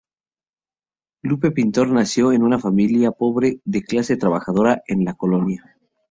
Lupe Pintor nació en una familia pobre de clase trabajadora en la Col.